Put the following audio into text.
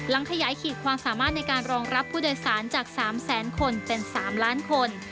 ขยายขีดความสามารถในการรองรับผู้โดยสารจาก๓แสนคนเป็น๓ล้านคน